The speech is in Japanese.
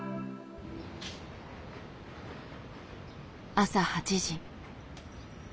朝８時。